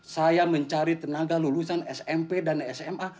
saya mencari tenaga lulusan smp dan sma